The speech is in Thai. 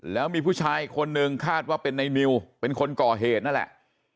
แล้วมีผู้ชายอีกคนนึงคาดว่าเป็นในนิวเป็นคนก่อเหตุนั่นแหละ